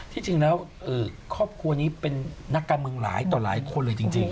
ที่จริงแล้วครอบครัวนี้เป็นนักการเมืองหลายต่อหลายคนเลยจริง